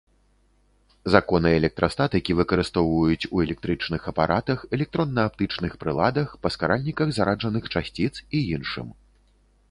Законы электрастатыкі выкарыстоўваюць у электрычных апаратах, электронна-аптычных прыладах, паскаральніках зараджаных часціц і іншым.